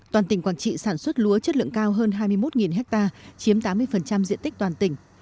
toàn tỉnh quảng trị sản xuất lúa chất lượng cao hơn hai mươi một ha chiếm tám mươi diện tích toàn tỉnh